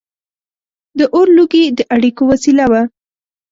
• د اور لوګي د اړیکو وسیله وه.